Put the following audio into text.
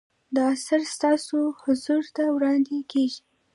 دا اثر ستاسو حضور ته وړاندې کیږي.